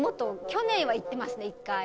去年は行ってますね、１回。